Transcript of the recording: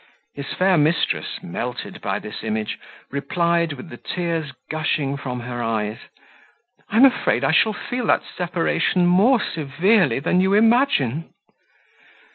His fair mistress, melted by this image, replied, with the tears gushing from her eyes, "I'm afraid I shall feel that separation more severely than you imagine."